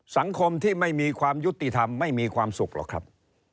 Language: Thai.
สังคมที่ไม่มีความยุติธรรมไม่มีความสุขหรอกครับ